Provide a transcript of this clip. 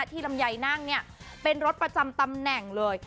ลำไยนั่งเนี่ยเป็นรถประจำตำแหน่งเลย